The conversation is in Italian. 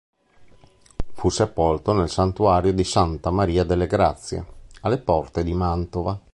Fu sepolto nel santuario di Santa Maria delle Grazie, alle porte di Mantova.